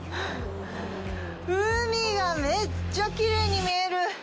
海がめっちゃきれいに見える。